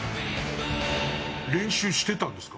練習してたんですか？